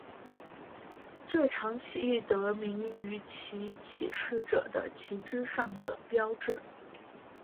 这场起义得名于其起事者的旗帜上的标志。